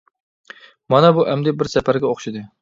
مانا، بۇ ئەمدى بىر سەپەرگە ئوخشىدى!